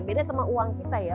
beda sama uang kita ya